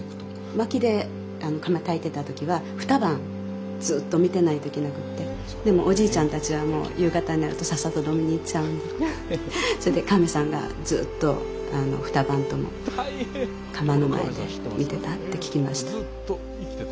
まきで窯たいてた時はふた晩ずっと見てないといけなくってでもおじいちゃんたちはもう夕方になるとさっさと飲みに行っちゃうんでそれでかめさんがずっとふた晩とも窯の前で見てたって聞きました。